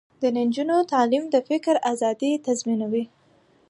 د نجونو تعلیم د فکر ازادي تضمینوي.